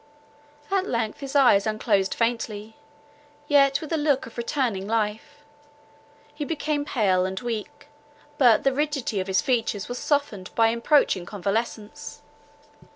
At length his eyes unclosed faintly, yet with a look of returning life; he became pale and weak; but the rigidity of his features was softened by approaching convalescence. He knew me.